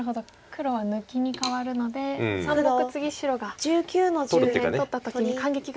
黒は抜きに換わるので３目次白が取った時に感激が。